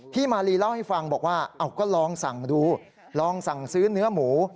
มาลีเล่าให้ฟังบอกว่าก็ลองสั่งดูลองสั่งซื้อเนื้อหมู